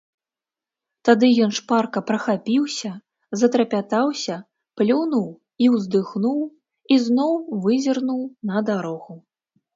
Тады ён шпарка прахапіўся, затрапятаўся, плюнуў і ўздыхнуў і зноў вызірнуў на дарогу.